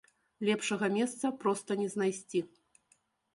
Лепшага месца проста не знайсці.